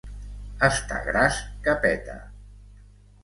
Estar gras que peta.